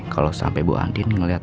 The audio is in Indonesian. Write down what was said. kalau sama epibu andin ngeliat